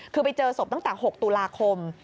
คือไปเจอศพตั้งแต่๖ตุลาคม